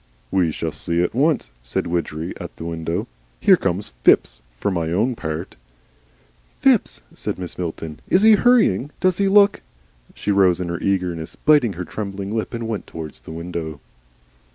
"We shall see at once," said Widgery, at the window. "Here comes Phipps. For my own part " "Phipps!" said Mrs. Milton. "Is he hurrying? Does he look " She rose in her eagerness, biting her trembling lip, and went towards the window.